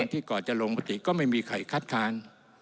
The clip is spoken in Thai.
ก่อนที่ก่อนจะลงประติก็ไม่มีใครคัดทาน